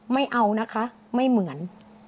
ไม่เอานะคะไม่เหมือน